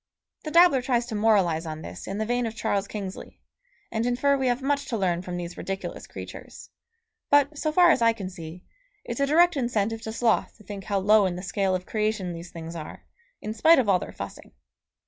The dabbler tries to moralise on this in the vein of Charles Kingsley, and infer we have much to learn from these ridiculous creatures; but, so far as I can see, it's a direct incentive to sloth to think how low in the scale of creation these things are, in spite of all their fussing.